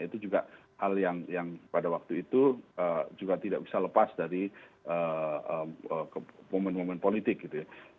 itu juga hal yang pada waktu itu juga tidak bisa lepas dari momen momen politik gitu ya